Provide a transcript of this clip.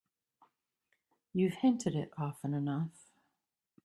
You've hinted it often enough.